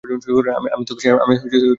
আমি তোকে ছাড়ব না।